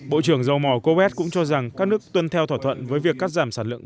bộ trưởng dầu mỏ kobett cũng cho rằng các nước tuân theo thỏa thuận với việc cắt giảm sản lượng